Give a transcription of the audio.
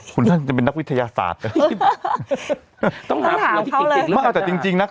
คุณน่าจะเป็นนักวิทยาศาสตร์ต้องหาต้องถามเขาเลยไม่เอาแต่จริงจริงน่ะ